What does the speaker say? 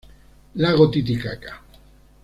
Lago Titicaca